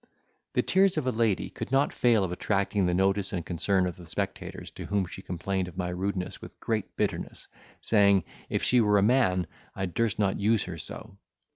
The tears of a lady could not fail of attracting the notice and concern of the spectators to whom she complained of my rudeness with great bitterness, saying, if she were a man, I durst not use her so.